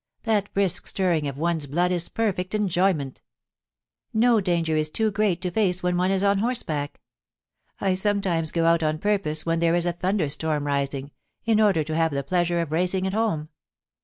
That brisk stirring of one's blood is perfect enjoyment No 192 /'( ^IJCV ASD PASSU K\\ danger is too great to face when one is on horseback. I sometimes go out on purpose when there is a thunderstorm rising, in order to have the pleasure of racing it home.